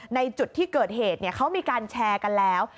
ในจุดที่เกิดเหตุเขามีการแชร์กันแล้ว